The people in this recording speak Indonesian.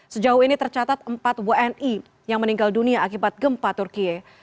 sejauh ini tercatat empat wni yang meninggal dunia akibat gempa turkiye